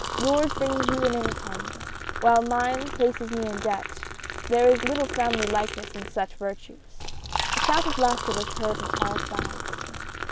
Yours brings you in an income, while mine places me in debt, and there is little family likeness in such virtues !" A shout of laughter was heard on all sides.